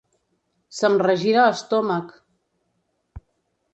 Se'm regira l'estómac.